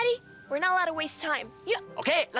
kita nggak mau menghabiskan waktu